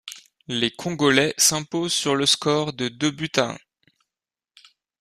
Les Congolais s'imposent sur le score de deux buts à un.